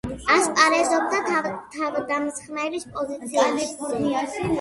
ასპარეზობდა თავდამსხმელის პოზიციაზე.